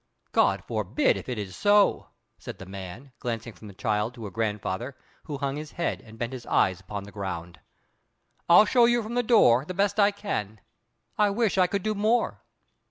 "God forbid, if it is so!" said the man, glancing from the child to her grandfather, who hung his head and bent his eyes upon the ground. "I'll show you from the door, the best I can. I wish I could do more."